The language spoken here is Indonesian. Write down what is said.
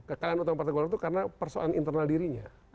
kekalahan utama partai golkar itu karena persoalan internal dirinya